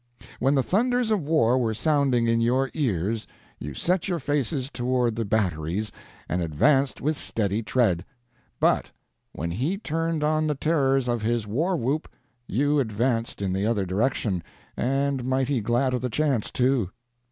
When the thunders of war were sounding in your ears you set your faces toward the batteries, and advanced with steady tread; but when he turned on the terrors of his war whoop you advanced in the other direction, and mighty glad of the chance, too.